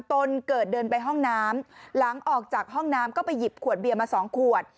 ตนเกิดเดินไปห้องน้ำหลังออกจากห้องน้ำก็ไปหยิบขวดเบียร์มา๒ขวด